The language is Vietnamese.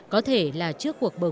có thể là trước khi đạt được thỏa thuận